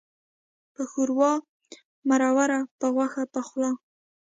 په ښوروا مروره، په غوښه پخلا.